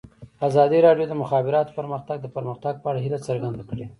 ازادي راډیو د د مخابراتو پرمختګ د پرمختګ په اړه هیله څرګنده کړې.